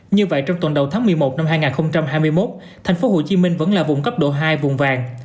như vậy trong tuần đầu tháng một mươi một năm hai nghìn hai mươi một tp hcm vẫn là vùng cấp độ hai vùng vàng